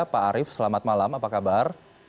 pak arief selamat malam apa kabar